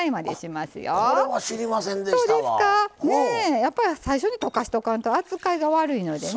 やっぱり最初に溶かしとかんと扱いが悪いのでね。